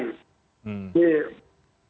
di atas cakit